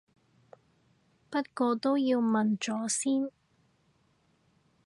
不過都要問咗先